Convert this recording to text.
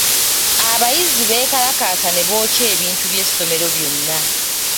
Abayizi beekalakaasa ne bookya ebintu by’essomero byonna.